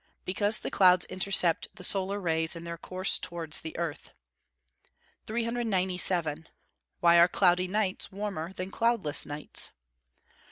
_ Because the clouds intercept the solar rays in their course towards the earth. 397. _Why are cloudy nights warmer than cloudless nights?